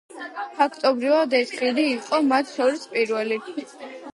ფაქტობრივად ეს ხიდი იყო მათ შორის პირველი.